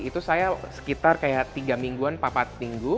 itu saya sekitar tiga mingguan empat empat minggu